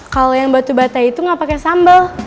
kalau yang batu batai itu nggak pakai sambal